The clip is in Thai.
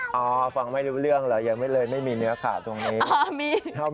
ห้องไม่รู้เรื่องหรือยังงเลยไม่มีเนื้อขาตัวนี้